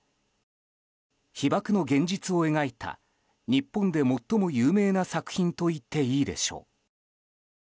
被爆の現実を描いた日本で最も有名な作品といっていいでしょう。